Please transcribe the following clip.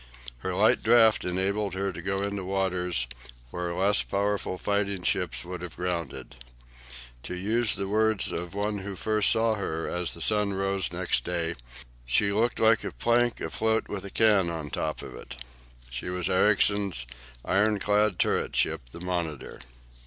Her light draught enabled her to go into waters where less powerful fighting ships would have grounded. To use the words of one who first saw her as the sun rose next day, she looked like a plank afloat with a can on top of it. She was Ericsson's ironclad turret ship, the "Monitor."